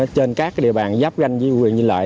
trên các địa bàn giáp ganh với quyền nhân lợi